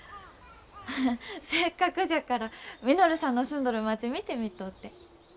ハハッせっかくじゃから稔さんの住んどる町見てみとうて。